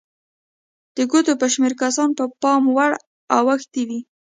د ګوتو په شمېر کسانو به پام ور اوښتی وي.